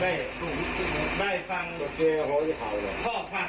มันจะได้ฟังต้องเสียขอบความเนื่องกับไป